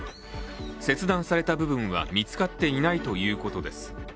切断された部分は見つかっていないということです。